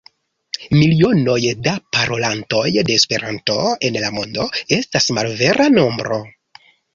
Milionoj da parolantoj de Esperanto en la mondo estas malvera nombro.